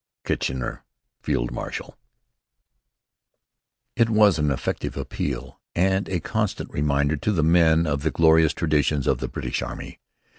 Kitchener, Field Marshal. It was an effective appeal and a constant reminder to the men of the glorious traditions of the British Army.